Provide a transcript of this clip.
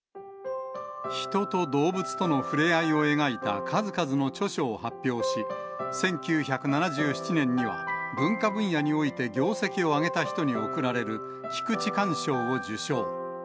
人と動物との触れ合いを描いた数々の著書を発表し、１９７７年には文化分野において業績を上げた人に贈られる、菊池寛賞を受賞。